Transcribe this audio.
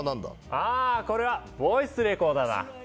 あこれはボイスレコーダーだ。